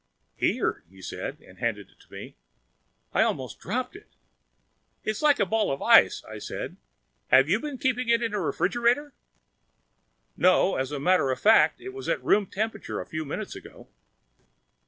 "Here," he said, and handed it to me. I almost dropped it. "It's like a ball of ice!" I said. "Have you been keeping it in the refrigerator?" "No. As a matter of fact, it was at room temperature a few minutes ago."